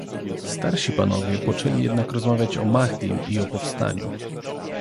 Starsi panowie poczęli jednak rozmawiać o Mahdim i o powstaniu.